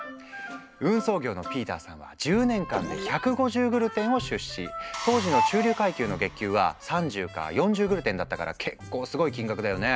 運送業のピーターさんは当時の中流階級の月給は３０か４０グルデンだったから結構すごい金額だよね。